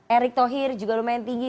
erick thohir juga lumayan tinggi